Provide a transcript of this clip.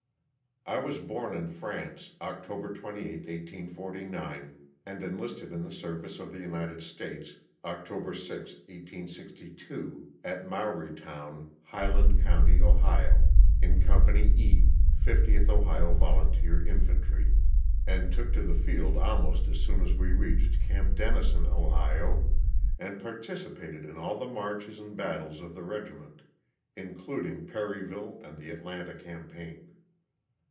T WAS born in France, October 28, 1849, and enlisted ^ in the service of the United States October 6, 1862, at Mowrytown, Highland county, Ohio, in Company E, 50th Ohio Volunteer Infantry, and took to the field almost as soon as we reached '* Camp Denison," Ohio, and participated in all the marches and battles of the regiment, including Perryville, and the Atlanta campaign.